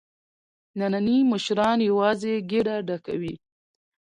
نني مشران یوازې ګېډه ډکوي.